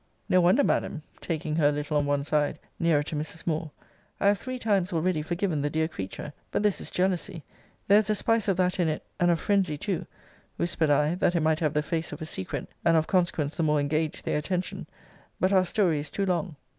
No wonder, Madam; taking her a little on one side, nearer to Mrs. Moore. I have three times already forgiven the dear creature but this is jealousy! There is a spice of that in it and of phrensy too [whispered I, that it might have the face of a secret, and of consequence the more engage their attention] but our story is too long.